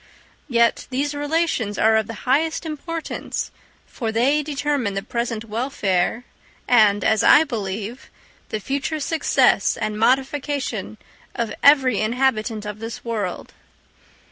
Yet these relations are of the highest importance, for they determine the present welfare and, as I believe, the future success and modification of every inhabitant of this world.